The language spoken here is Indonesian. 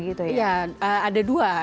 iya ada dua